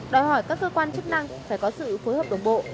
đòi hỏi các cơ quan chức năng phải có sự phối hợp đồng bộ